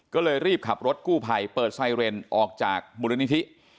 ก็เลยรีบขับรถกู้ภัยเปิดไซเรนออกจากมูลนิธิ